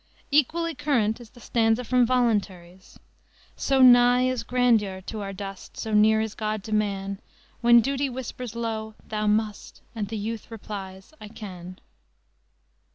Equally current is the stanza from Voluntaries: "So nigh is grandeur to our dust, So near is God to man, When Duty whispers low, 'Thou must,' The youth replies, 'I can.'"